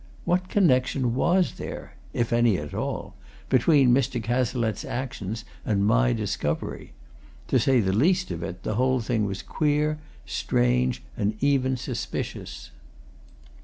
What connection was there if any at all between Mr. Cazalette's actions and my discovery? To say the least of it, the whole thing was queer, strange, and even suspicious.